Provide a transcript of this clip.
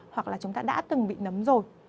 hoặc là chúng ta đã từng bị nấm rồi